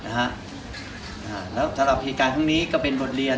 สำหรับเหตุการณ์ที่นี้ก็เป็นบทเรียน